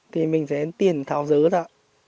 thì mình sẽ tiền tháo dớt ạ